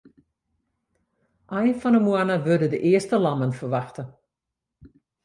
Ein fan 'e moanne wurde de earste lammen ferwachte.